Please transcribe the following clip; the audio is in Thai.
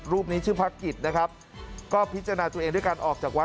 รูปนี้ชื่อพระกริตนะครับ